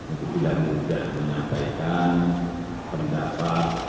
untuk mudah menyampaikan pendapat